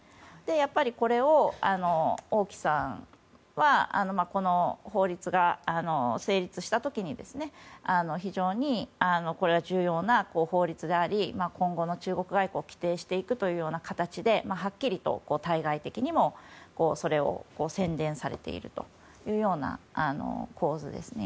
やっぱりこれを王毅さんはこの法律が成立した時にこれは非常に重要な法律であり今後の中国外交を規定していくというような形ではっきりと対外的にもそれを宣伝されているという構図ですね。